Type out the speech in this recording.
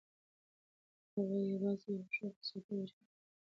هغه يوازې يو هوښيار مسافر و چې خپل حق يې غوښت.